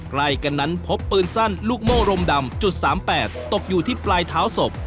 ใกล้กันนั้นพบปืนสั้นลูกโม่รมดำจุด๓๘ตกอยู่ที่ปลายเท้าศพ